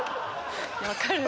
分かる！